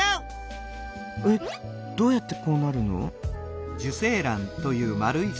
えっどうやってこうなるの？